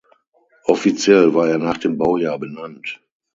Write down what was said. Offiziell war er nach dem Baujahr benannt.